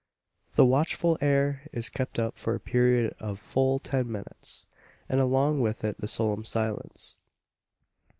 The watchful air is kept up for a period of full ten minutes, and along with it the solemn silence.